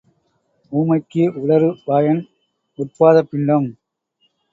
ஊமைக்கு உளறு வாயன் உற்பாத பிண்டம்.